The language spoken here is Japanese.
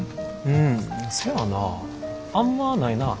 うんせやなあんまないな。